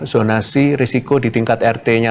zonasi risiko di tingkat rt nya